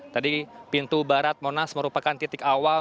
tadi pintu barat monas merupakan titik awal